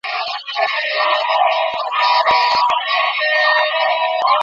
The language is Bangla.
সাদিক আহমেদ মনে করেন, গুণগত মানের স্বাস্থ্যসেবা নিশ্চিত করতে প্রশাসনকে বিকেন্দ্রীকরণ করতে হবে।